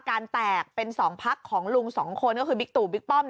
การแตกเป็นสองพักของลุงสองคนก็คือบิกตูบิกป้อม